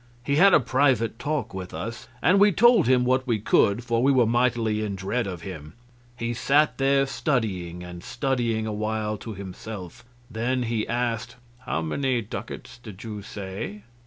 He had a private talk with us, and we told him what we could, for we were mightily in dread of him. He sat there studying and studying awhile to himself; then he asked: "How many ducats did you say?"